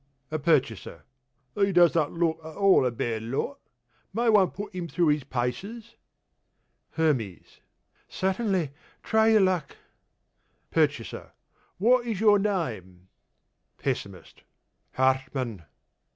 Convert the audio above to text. A PURCHASER: He does not look at all a bad lot. May one put him through his paces? HERMES: Certainly; try your luck. PURCHASER: What is your name? PESSIMIST: Hartmann.